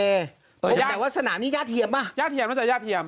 แต่ว่าสนามนี้ยากเทียมป่ะยากเทียมจะยากเทียม